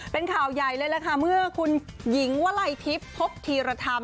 เป็นข่าวใหญ่เมื่อพี่หญิงวลัยทิศทบพธีรธรรม